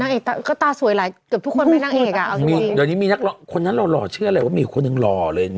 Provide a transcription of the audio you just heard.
นางเอกตาก็ตาสวยแหละเกือบทุกคนไม่นางเอกอ่ะเดี๋ยวนี้มีนักรอบคนนั้นหล่อหล่อเชื่ออะไรว่ามีคนหนึ่งหล่อเลย